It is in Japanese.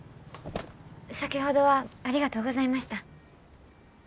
先ほどはありがとうございました。え？